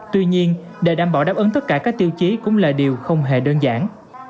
tuy nhiên để đảm bảo đáp ứng tất cả các tiêu chí cũng là điều không hề đơn giản